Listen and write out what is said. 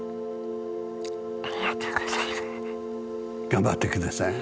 頑張って下さい。